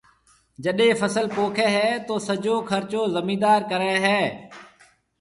جڏَي فصل پوکيَ ھيََََ تو سجو خرچو زميندار ڪرَي ھيََََ